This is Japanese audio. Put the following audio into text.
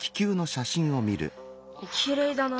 きれいだな。